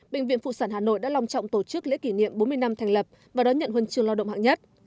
bệnh viện phụ sản hà nội đã lòng trọng tổ chức lễ kỷ niệm bốn mươi năm thành lập và đón nhận huân chương lo động hạng nhất